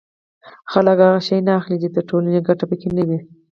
خلک هغه شی نه اخلي چې د ټولنې ګټه پکې نه وي